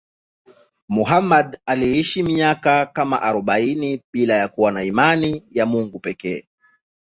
Muhammad aliishi miaka kama arobaini bila kuwa na imani ya Mungu pekee.